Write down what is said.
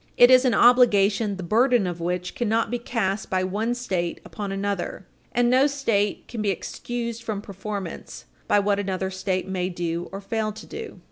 It is an obligation the burden of which cannot be cast by one State upon another, and no State can be excused from performance by what another State may do or fail to do.